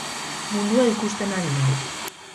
Mundua ikusten ari da.